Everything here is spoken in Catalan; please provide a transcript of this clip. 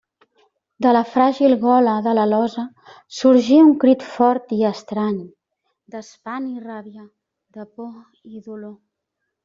De la fràgil gola de l'alosa sorgí un crit fort i estrany, d'espant i ràbia, de por i dolor.